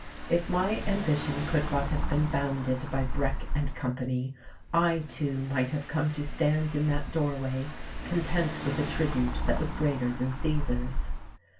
If my ambition could but have been bounded by Breck and Company, I, too, might have come to stand in that doorway content with a tribute that was greater than Caesar's.